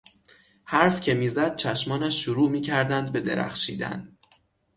حرف که میزد چشمانش شروع میکردند به درخشیدن.